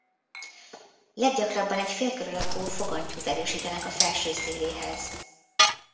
Leggyakrabban egy félkör alakú fogantyút erősítenek a felső széléhez.